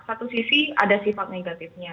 satu sisi ada sifat negatifnya